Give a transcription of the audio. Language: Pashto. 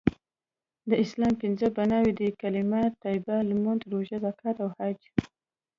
د اسلام پنځه بنأوي دي.کلمه طیبه.لمونځ.روژه.زکات.او حج